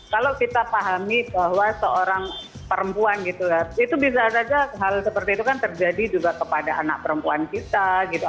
kalau kita pahami bahwa seorang perempuan gitu kan itu bisa saja hal seperti itu kan terjadi juga kepada anak perempuan kita gitu